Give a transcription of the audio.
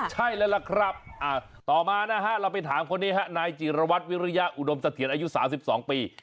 ใช่แล้วล่ะครับต่อมานะฮะเราไปถามคนนี้ฮะนายจิรวัตรวิริยาอุดมสะเทียนอายุ๓๒ปี